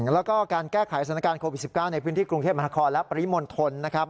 แล้วก็การแก้ไขสถานการณ์โควิด๑๙ในพื้นที่กรุงเทพมหานครและปริมณฑลนะครับ